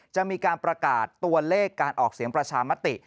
จะมีการประกาศตัวเลขการออกเสียงประชามติ